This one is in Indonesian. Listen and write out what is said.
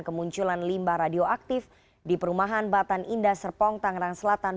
kemunculan limbah radioaktif di perumahan batan indah serpong tangerang selatan